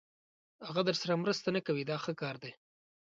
هغه درسره مرسته نه کوي دا ښه کار دی.